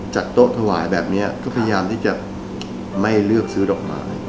โต๊ะถวายแบบนี้ก็พยายามที่จะไม่เลือกซื้อดอกไม้